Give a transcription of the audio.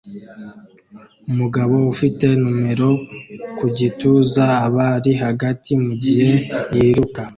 Umugabo ufite numero ku gituza aba ari hagati mugihe yiruka